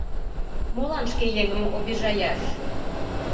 Молан шке еҥым обижаяш?